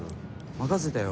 任せたよ。